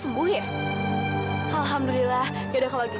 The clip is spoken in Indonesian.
amira kamu bantu aku ke kelas ya